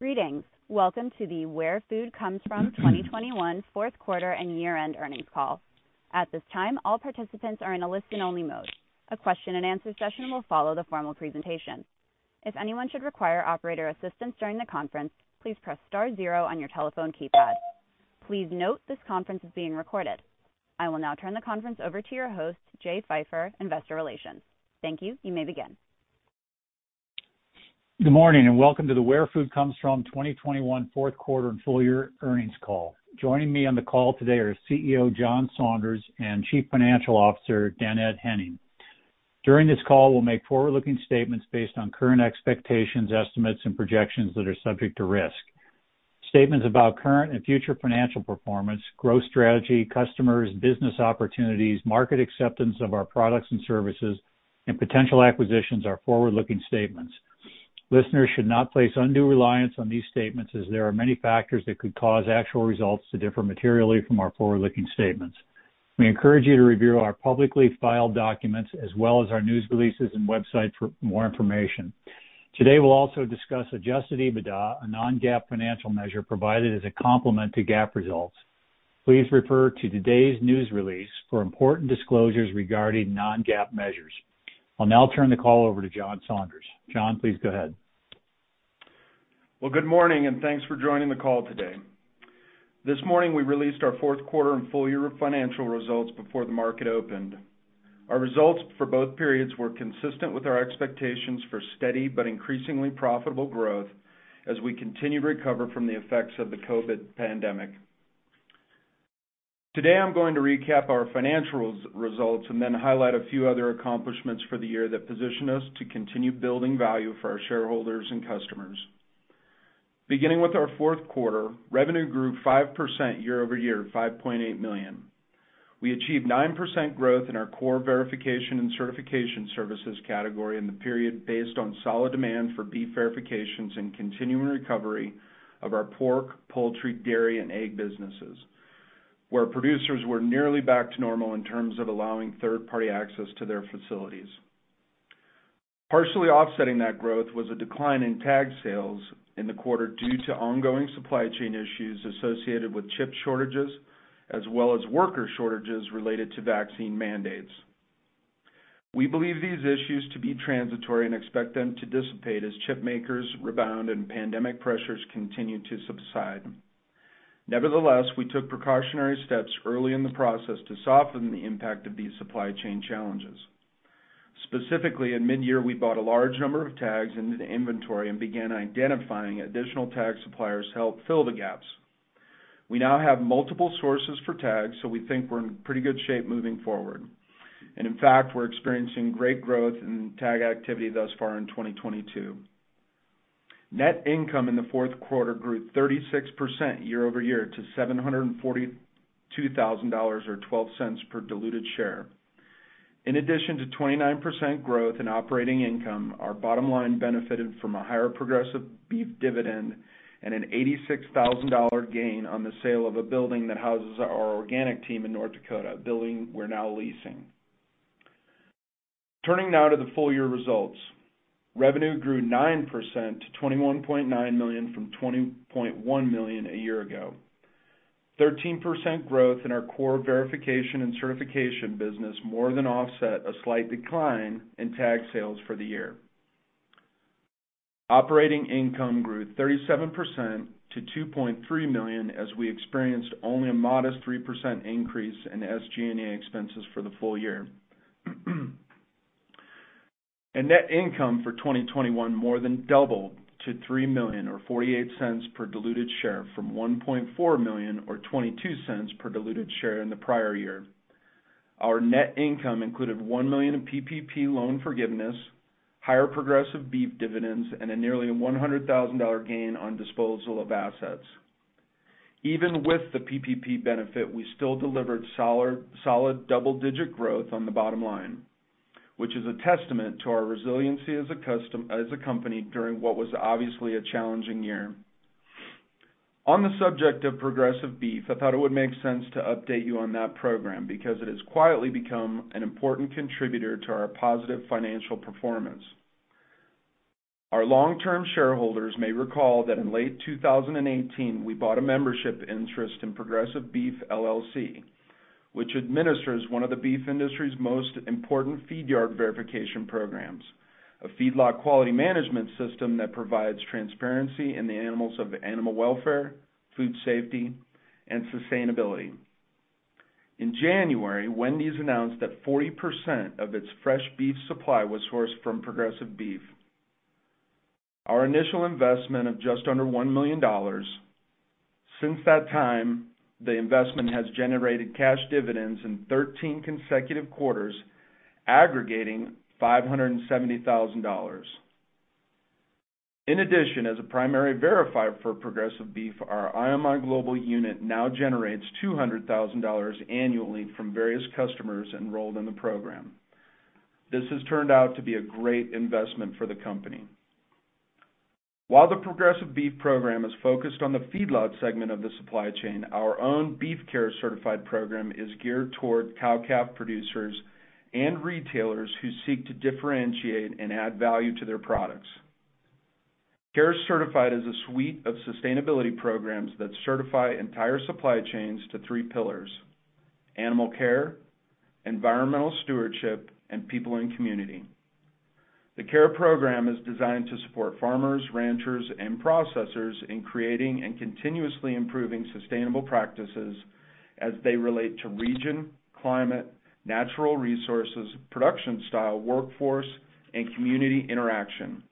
Greetings. Welcome to the Where Food Comes From 2021 Fourth Quarter and Year-End Earnings Call. At this time, all participants are in a listen-only mode. A question-and-answer session will follow the formal presentation. If anyone should require operator assistance during the conference, please press star zero on your telephone keypad. Please note this conference is being recorded. I will now turn the conference over to your host, Jay Pfeiffer, Investor Relations. Thank you. You may begin. Good morning and welcome to the Where Food Comes From 2021 Fourth Quarter and Full Year Earnings Call. Joining me on the call today are CEO John Saunders and Chief Financial Officer Dannette Henning. During this call, we'll make forward-looking statements based on current expectations, estimates, and projections that are subject to risk. Statements about current and future financial performance, growth strategy, customers, business opportunities, market acceptance of our products and services, and potential acquisitions are forward-looking statements. Listeners should not place undue reliance on these statements as there are many factors that could cause actual results to differ materially from our forward-looking statements. We encourage you to review our publicly filed documents as well as our news releases and website for more information. Today, we'll also discuss adjusted EBITDA, a non-GAAP financial measure provided as a complement to GAAP results. Please refer to today's news release for important disclosures regarding non-GAAP measures. I'll now turn the call over to John Saunders. John, please go ahead. Well, good morning and thanks for joining the call today. This morning, we released our fourth quarter and full year financial results before the market opened. Our results for both periods were consistent with our expectations for steady but increasingly profitable growth as we continue to recover from the effects of the COVID pandemic. Today, I'm going to recap our financial results and then highlight a few other accomplishments for the year that position us to continue building value for our shareholders and customers. Beginning with our fourth quarter, revenue grew 5% year-over-year, $5.8 million. We achieved 9% growth in our core verification and certification services category in the period based on solid demand for beef verifications and continuing recovery of our pork, poultry, dairy, and egg businesses, where producers were nearly back to normal in terms of allowing third-party access to their facilities. Partially offsetting that growth was a decline in tag sales in the quarter due to ongoing supply chain issues associated with chip shortages as well as worker shortages related to vaccine mandates. We believe these issues to be transitory and expect them to dissipate as chip makers rebound and pandemic pressures continue to subside. Nevertheless, we took precautionary steps early in the process to soften the impact of these supply chain challenges. Specifically, in mid-year, we bought a large number of tags into the inventory and began identifying additional tag suppliers to help fill the gaps. We now have multiple sources for tags, so we think we're in pretty good shape moving forward. In fact, we're experiencing great growth in tag activity thus far in 2022. Net income in the fourth quarter grew 36% year-over-year to $742,000 or $0.12 per diluted share. In addition to 29% growth in operating income, our bottom line benefited from a higher Progressive Beef dividend and an $86,000 gain on the sale of a building that houses our organic team in North Dakota, a building we're now leasing. Turning now to the full year results. Revenue grew 9% to $21.9 million from $20.1 million a year ago. 13% growth in our core verification and certification business more than offset a slight decline in tag sales for the year. Operating income grew 37% to $2.3 million as we experienced only a modest 3% increase in SG&A expenses for the full year. Net income for 2021 more than doubled to $3 million or $0.48 per diluted share from $1.4 million or $0.22 per diluted share in the prior year. Our net income included $1 million in PPP loan forgiveness, higher Progressive Beef dividends, and a nearly $100,000 gain on disposal of assets. Even with the PPP benefit, we still delivered solid double-digit growth on the bottom line, which is a testament to our resiliency as a company during what was obviously a challenging year. On the subject of Progressive Beef, I thought it would make sense to update you on that program because it has quietly become an important contributor to our positive financial performance. Our long-term shareholders may recall that in late 2018, we bought a membership interest in Progressive Beef LLC, which administers one of the beef industry's most important feedyard verification programs, a feedlot quality management system that provides transparency into animal welfare, food safety, and sustainability. In January, Wendy's announced that 40% of its fresh beef supply was sourced from Progressive Beef, our initial investment of just under $1 million. Since that time, the investment has generated cash dividends in 13 consecutive quarters, aggregating $570,000. In addition, as a primary verifier for Progressive Beef, our IMI Global unit now generates $200,000 annually from various customers enrolled in the program. This has turned out to be a great investment for the company. While the Progressive Beef program is focused on the feedlot segment of the supply chain, our own BeefCARE certified program is geared toward cow-calf producers and retailers who seek to differentiate and add value to their products. CARE Certified is a suite of sustainability programs that certify entire supply chains to three pillars, animal care, environmental stewardship, and people and community. The CARE program is designed to support farmers, ranchers, and processors in creating and continuously improving sustainable practices as they relate to region, climate, natural resources, production style, workforce, and community interaction.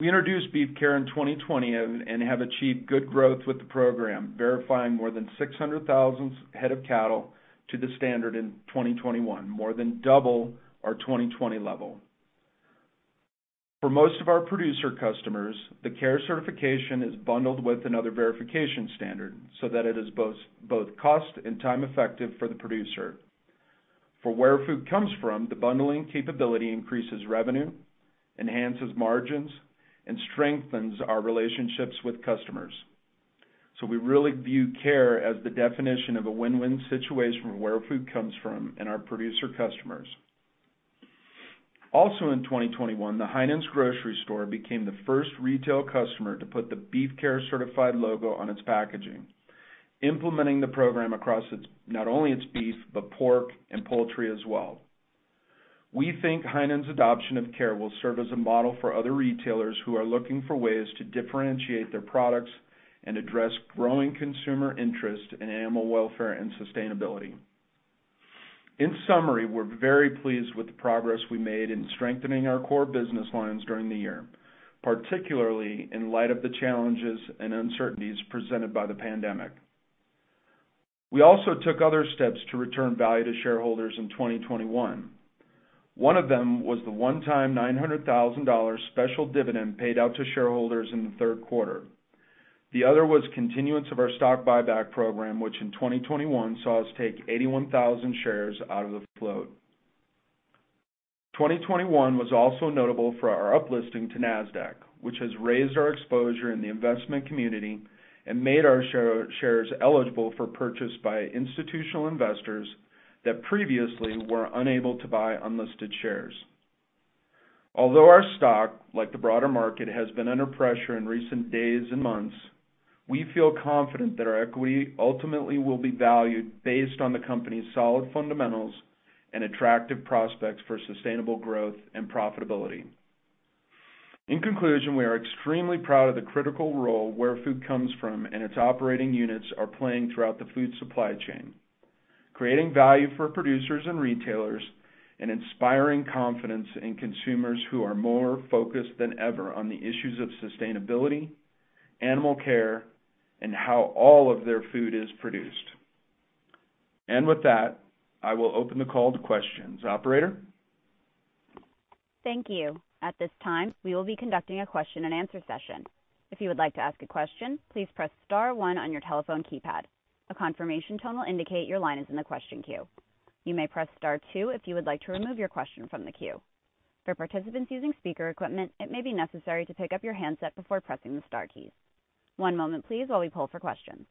We introduced BeefCARE in 2020 and have achieved good growth with the program, verifying more than 600,000 head of cattle to the standard in 2021, more than double our 2020 level. For most of our producer customers, the CARE certification is bundled with another verification standard so that it is both cost and time effective for the producer. For Where Food Comes From, the bundling capability increases revenue, enhances margins, and strengthens our relationships with customers. We really view CARE as the definition of a win-win situation for Where Food Comes From and our producer customers. Also in 2021, Heinen's Grocery Store became the first retail customer to put the BeefCARE certified logo on its packaging, implementing the program across its, not only its beef, but pork and poultry as well. We think Heinen's adoption of CARE will serve as a model for other retailers who are looking for ways to differentiate their products and address growing consumer interest in animal welfare and sustainability. In summary, we're very pleased with the progress we made in strengthening our core business lines during the year, particularly in light of the challenges and uncertainties presented by the pandemic. We also took other steps to return value to shareholders in 2021. One of them was the one-time $900,000 special dividend paid out to shareholders in the third quarter. The other was continuance of our stock buyback program, which in 2021 saw us take 81,000 shares out of the float. 2021 was also notable for our uplisting to NASDAQ, which has raised our exposure in the investment community and made our shares eligible for purchase by institutional investors that previously were unable to buy unlisted shares. Although our stock, like the broader market, has been under pressure in recent days and months, we feel confident that our equity ultimately will be valued based on the company's solid fundamentals and attractive prospects for sustainable growth and profitability. In conclusion, we are extremely proud of the critical role Where Food Comes From and its operating units are playing throughout the food supply chain, creating value for producers and retailers, and inspiring confidence in consumers who are more focused than ever on the issues of sustainability, animal care, and how all of their food is produced. With that, I will open the call to questions. Operator? Thank you. At this time, we will be conducting a question and answer session. If you would like to ask a question, please press star one on your telephone keypad. A confirmation tone will indicate your line is in the question queue. You may press star two if you would like to remove your question from the queue. For participants using speaker equipment, it may be necessary to pick up your handset before pressing the star keys. One moment please while we poll for questions.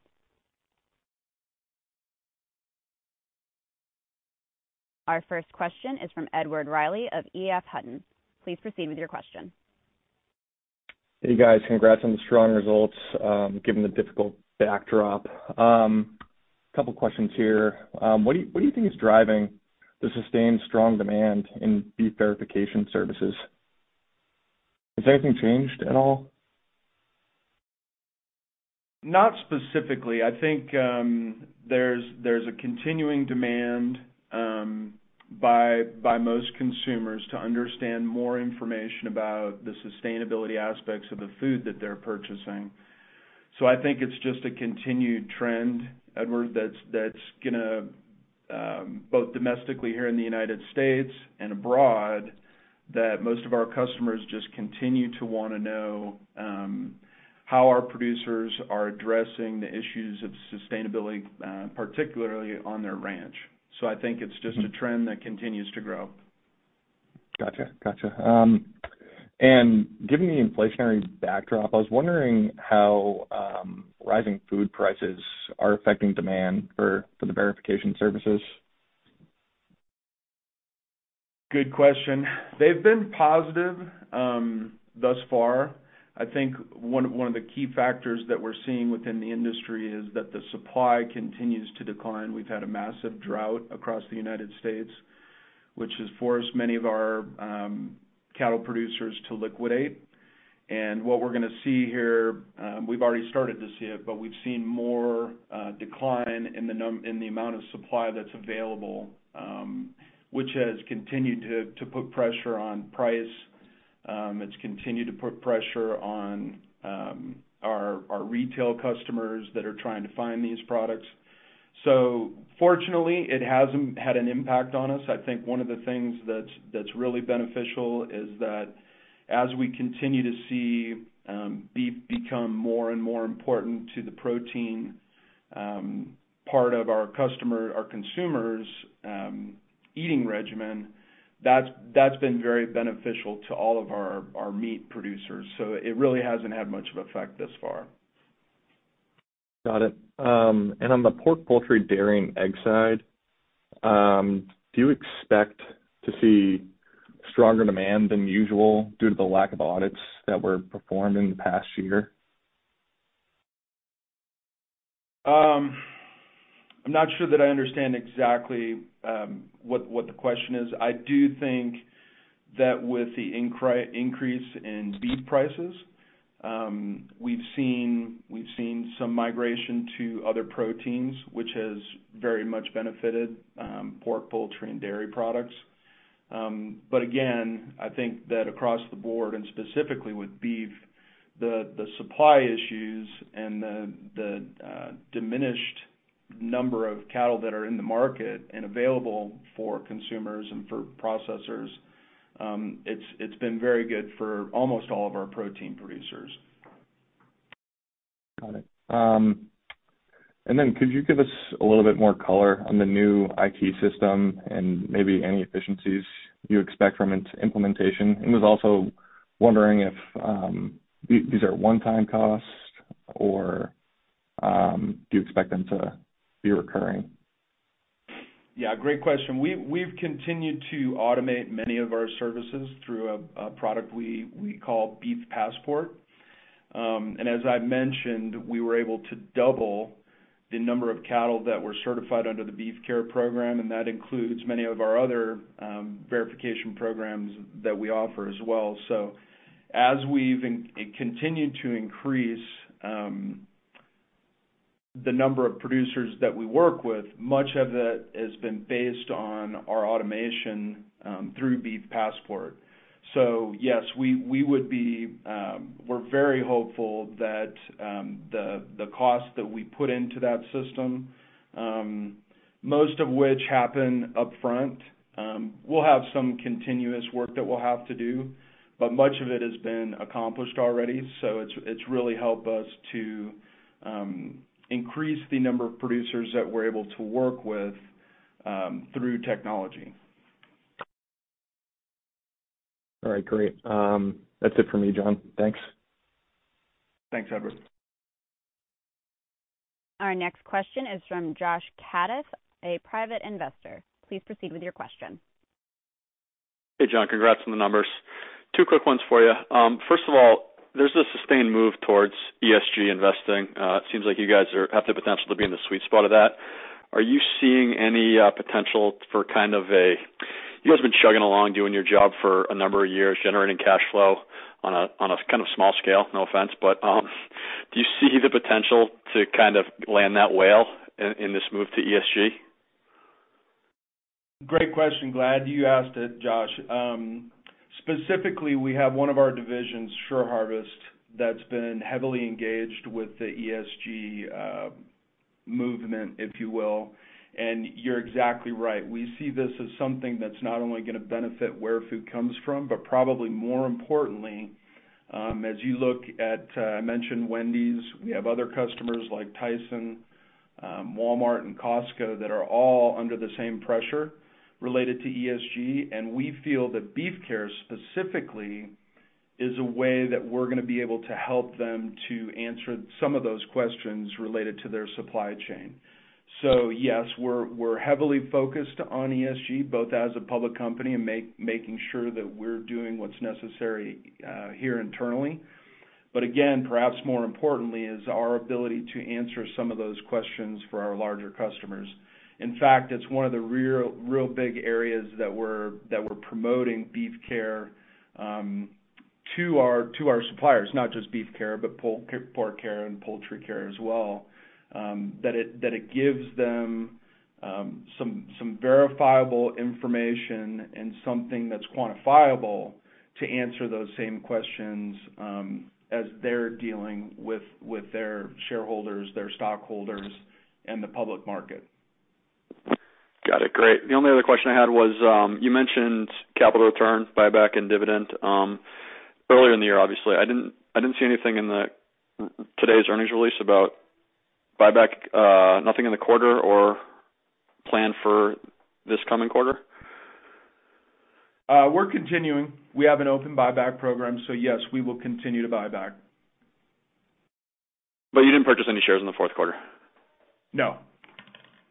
Our first question is from Edward Reilly of EF Hutton. Please proceed with your question. Hey, guys. Congrats on the strong results, given the difficult backdrop. Couple questions here. What do you think is driving the sustained strong demand in beef verification services? Has anything changed at all? Not specifically. I think there's a continuing demand by most consumers to understand more information about the sustainability aspects of the food that they're purchasing. I think it's just a continued trend, Edward, that's gonna both domestically here in the United States and abroad, that most of our customers just continue to wanna know how our producers are addressing the issues of sustainability, particularly on their ranch. I think it's just a trend that continues to grow. Gotcha. Given the inflationary backdrop, I was wondering how rising food prices are affecting demand for the verification services? Good question. They've been positive, thus far. I think one of the key factors that we're seeing within the industry is that the supply continues to decline. We've had a massive drought across the United States, which has forced many of our cattle producers to liquidate. What we're gonna see here, we've already started to see it, but we've seen more decline in the amount of supply that's available, which has continued to put pressure on price. It's continued to put pressure on our retail customers that are trying to find these products. Fortunately, it hasn't had an impact on us. I think one of the things that's really beneficial is that as we continue to see beef become more and more important to the protein part of our consumer's eating regimen, that's been very beneficial to all of our meat producers. It really hasn't had much of effect thus far. Got it. On the pork, poultry, dairy, and egg side, do you expect to see stronger demand than usual due to the lack of audits that were performed in the past year? I'm not sure that I understand exactly what the question is. I do think that with the increase in beef prices, we've seen some migration to other proteins, which has very much benefited pork, poultry, and dairy products. I think that across the board, and specifically with beef, the diminished number of cattle that are in the market and available for consumers and for processors, it's been very good for almost all of our protein producers. Got it. Could you give us a little bit more color on the new IT system and maybe any efficiencies you expect from its implementation? Was also wondering if these are one-time costs or do you expect them to be recurring? Yeah, great question. We've continued to automate many of our services through a product we call Beef Passport. As I've mentioned, we were able to double the number of cattle that were certified under the BeefCARE program, and that includes many of our other verification programs that we offer as well. As we've continued to increase the number of producers that we work with, much of it has been based on our automation through Beef Passport. Yes. We're very hopeful that the cost that we put into that system, most of which happen upfront, we'll have some continuous work that we'll have to do, but much of it has been accomplished already. It's really helped us to increase the number of producers that we're able to work with through technology. All right, great. That's it for me, John. Thanks. Thanks, Edward. Our next question is from Josh Catts, a private investor. Please proceed with your question. Hey, John. Congrats on the numbers. Two quick ones for you. First of all, there's a sustained move towards ESG investing. It seems like you guys have the potential to be in the sweet spot of that. Are you seeing any potential for kind of a. You guys have been chugging along, doing your job for a number of years, generating cash flow on a kind of small scale, no offense. Do you see the potential to kind of land that whale in this move to ESG? Great question. Glad you asked it, Josh. Specifically, we have one of our divisions, SureHarvest, that's been heavily engaged with the ESG movement, if you will. You're exactly right. We see this as something that's not only gonna benefit Where Food Comes From, but probably more importantly, as you look at, I mentioned Wendy's, we have other customers like Tyson, Walmart, and Costco that are all under the same pressure related to ESG. We feel that BeefCARE specifically is a way that we're gonna be able to help them to answer some of those questions related to their supply chain. Yes, we're heavily focused on ESG, both as a public company and making sure that we're doing what's necessary here internally. Again, perhaps more importantly is our ability to answer some of those questions for our larger customers. In fact, it's one of the real big areas that we're promoting BeefCARE to our suppliers, not just BeefCARE, but PorkCARE and PoultryCARE as well, that it gives them some verifiable information and something that's quantifiable to answer those same questions, as they're dealing with their shareholders, their stockholders, and the public market. Got it. Great. The only other question I had was, you mentioned capital return, buyback, and dividend, earlier in the year, obviously. I didn't see anything in today's earnings release about buyback, nothing in the quarter or plan for this coming quarter. We're continuing. We have an open buyback program. Yes, we will continue to buy back. You didn't purchase any shares in the fourth quarter? No.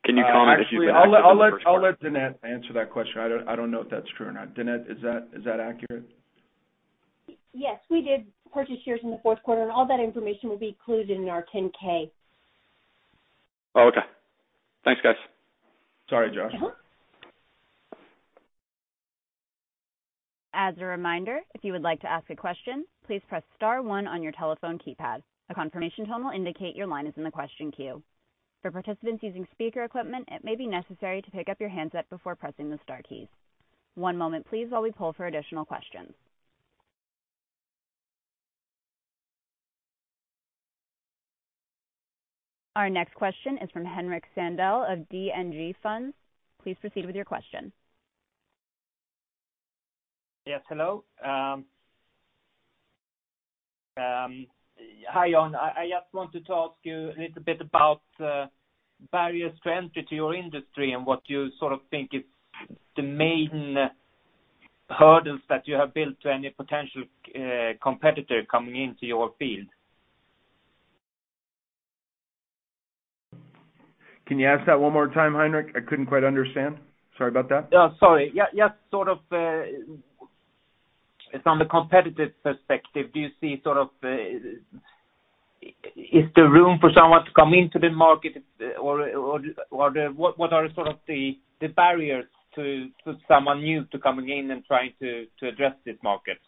Can you comment if you plan? Actually, I'll let Dannette answer that question. I don't know if that's true or not. Dannette, is that accurate? Yes. We did purchase shares in the fourth quarter, and all that information will be included in our 10-K. Oh, okay. Thanks, guys. Sorry, Josh. Mm-hmm. As a reminder, if you would like to ask a question, please press star one on your telephone keypad. A confirmation tone will indicate your line is in the question queue. For participants using speaker equipment, it may be necessary to pick up your handset before pressing the star keys. One moment, please, while we poll for additional questions. Our next question is from Henrik Silde of DNB Funds. Please proceed with your question. Yes, hello. Hi, John. I just wanted to ask you a little bit about barriers to entry to your industry and what you sort of think is the main Hurdles that you have built to any potential competitor coming into your field. Can you ask that one more time, Henrik. I couldn't quite understand. Sorry about that. Yeah, sorry. Yeah, yeah. Sort of, from the competitive perspective, is there room for someone to come into the market or what are sort of the barriers to someone new to come again and try to address this market?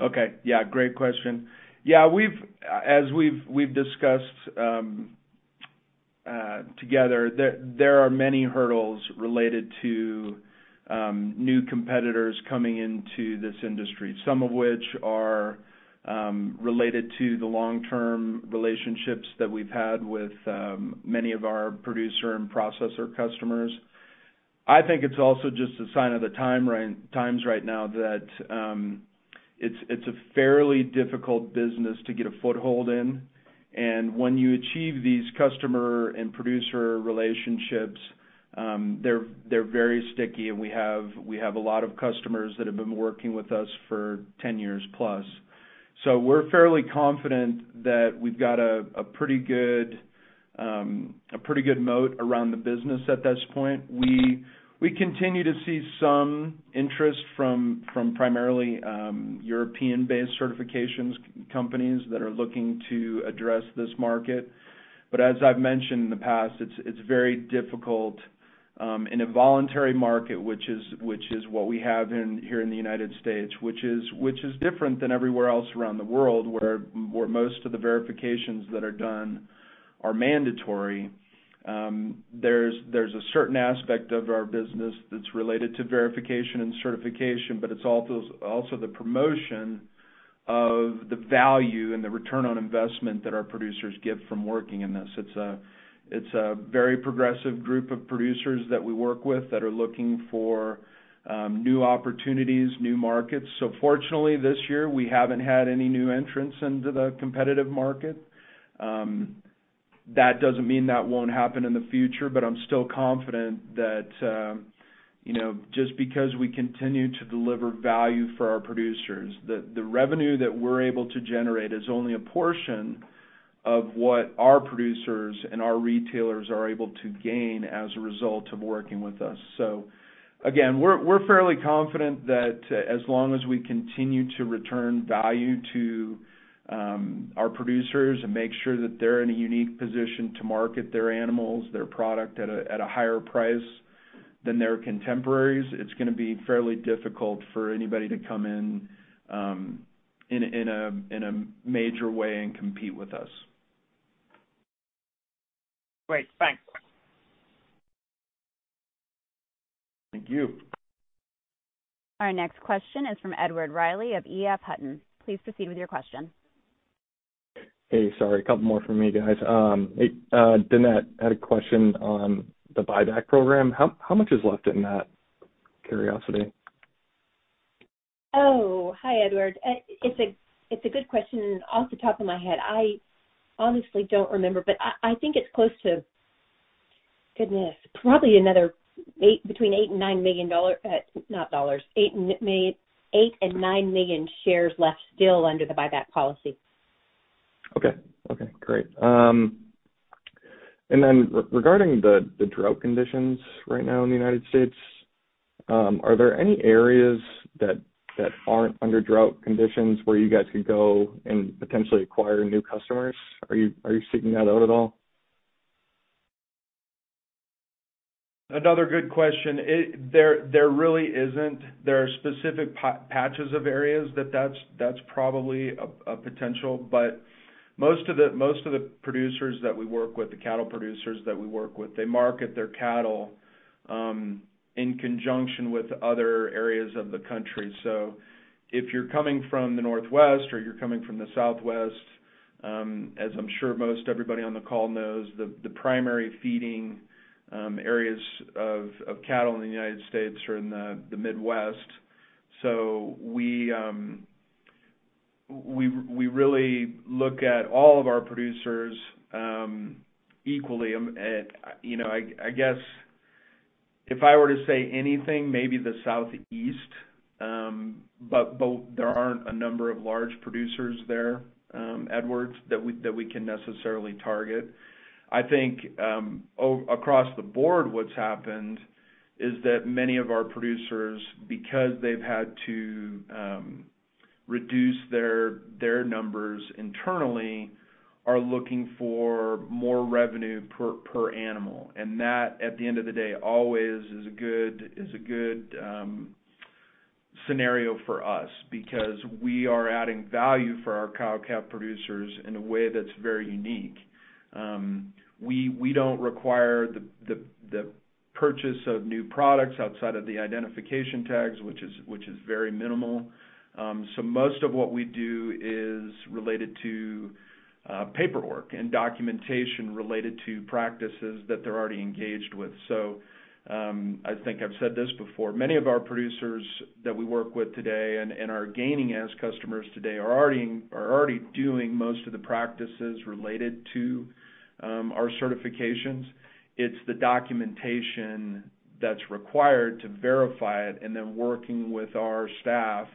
Okay. Yeah, great question. Yeah, we've, as we've discussed together, there are many hurdles related to new competitors coming into this industry, some of which are related to the long-term relationships that we've had with many of our producer and processor customers. I think it's also just a sign of the times right now that it's a fairly difficult business to get a foothold in. When you achieve these customer and producer relationships, they're very sticky. We have a lot of customers that have been working with us for 10 years plus. We're fairly confident that we've got a pretty good moat around the business at this point. We continue to see some interest from primarily European-based certification companies that are looking to address this market. As I've mentioned in the past, it's very difficult in a voluntary market, which is what we have here in the United States, which is different than everywhere else around the world, where most of the verifications that are done are mandatory. There's a certain aspect of our business that's related to verification and certification, but it's also the promotion of the value and the return on investment that our producers get from working in this. It's a very progressive group of producers that we work with that are looking for new opportunities, new markets. Fortunately, this year, we haven't had any new entrants into the competitive market. That doesn't mean that won't happen in the future, but I'm still confident that, you know, just because we continue to deliver value for our producers, the revenue that we're able to generate is only a portion of what our producers and our retailers are able to gain as a result of working with us. Again, we're fairly confident that as long as we continue to return value to our producers and make sure that they're in a unique position to market their animals, their product at a higher price than their contemporaries, it's gonna be fairly difficult for anybody to come in a major way and compete with us. Great. Thanks. Thank you. Our next question is from Edward Reilly of EF Hutton. Please proceed with your question. Hey, sorry, a couple more from me, guys. Hey, Dannette, I had a question on the buyback program. How much is left in that? Curiosity. Oh, hi, Edward. It's a good question. Off the top of my head, I honestly don't remember, but I think it's close to, goodness, probably between 8 and 9 million shares left still under the buyback policy. Okay. Okay, great. Regarding the drought conditions right now in the United States, are there any areas that aren't under drought conditions where you guys could go and potentially acquire new customers? Are you seeking that out at all? Another good question. There really isn't. There are specific patches of areas that that's probably a potential. But most of the producers that we work with, the cattle producers that we work with, they market their cattle in conjunction with other areas of the country. So if you're coming from the Northwest or you're coming from the Southwest, as I'm sure most everybody on the call knows, the primary feeding areas of cattle in the United States are in the Midwest. So we really look at all of our producers equally. You know, I guess if I were to say anything, maybe the Southeast, but there aren't a number of large producers there, Edward, that we can necessarily target. I think across the board, what's happened is that many of our producers, because they've had to reduce their numbers internally, are looking for more revenue per animal. That, at the end of the day, always is a good scenario for us because we are adding value for our cow-calf producers in a way that's very unique. We don't require the purchase of new products outside of the identification tags, which is very minimal. Most of what we do is related to paperwork and documentation related to practices that they're already engaged with. I think I've said this before. Many of our producers that we work with today and are gaining as customers today are already doing most of the practices related to our certifications. It's the documentation that's required to verify it and then working with our staff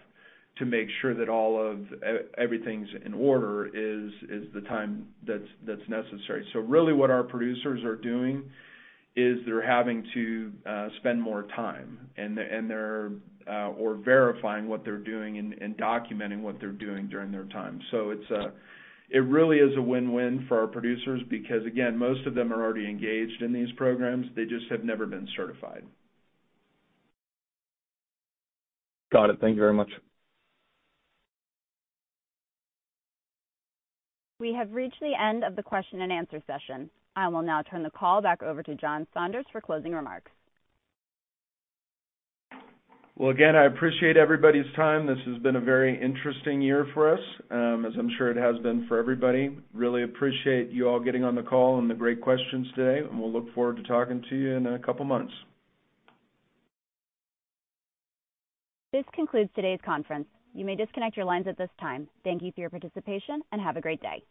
to make sure that everything's in order is the time that's necessary. Really what our producers are doing is they're having to spend more time verifying what they're doing and documenting what they're doing during their time. It really is a win-win for our producers because, again, most of them are already engaged in these programs. They just have never been certified. Got it. Thank you very much. We have reached the end of the question and answer session. I will now turn the call back over to John Saunders for closing remarks. Well, again, I appreciate everybody's time. This has been a very interesting year for us, as I'm sure it has been for everybody. Really appreciate you all getting on the call and the great questions today, and we'll look forward to talking to you in a couple months. This concludes today's conference. You may disconnect your lines at this time. Thank you for your participation, and have a great day.